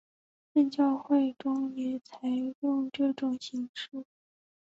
正教会中也采用这种仪式。